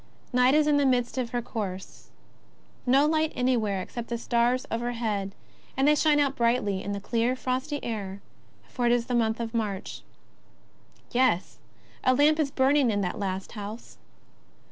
Is^ight is in the midst of her course. 'No light an\^where, except the stars overhead, and they shine out brightly in the clear, frosty air, for it is the month of March. Yes! a lamp is burning in that last house.